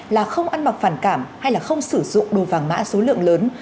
là không ăn mặc phản cảm hay không sử dụng đồ vàng mã số lượng lớn